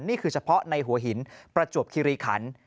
นี่คือเฉพาะในหัวหินประจวบคิริขัน